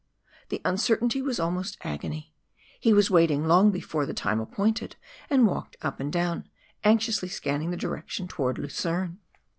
The uncertainty was almost agony. He was waiting long before the time appointed, and walked up and down anxiously scanning the direction towards Lucerne.